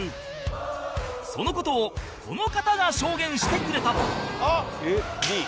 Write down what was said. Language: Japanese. その事をこの方が証言してくれた